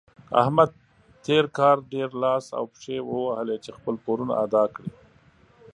احمد تېر کار ډېر لاس او پښې ووهلې چې خپل پورونه ادا کړي.